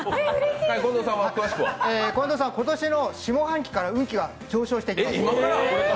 近藤さんは今年の下半期から運気が上昇していきます。